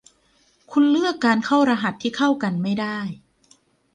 คุณเลือกการเข้ารหัสที่เข้ากันไม่ได้